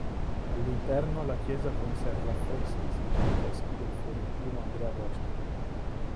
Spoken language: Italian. All'interno la chiesa conserva affreschi seicenteschi del fiorentino Andrea Boscoli.